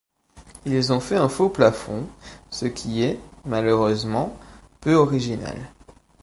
Ils ont fait un faux plafond, ce qui est, malheureusement, peu original.